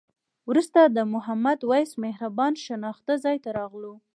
وروسته د محمد وېس مهربان شناخته ځای ته راغلو.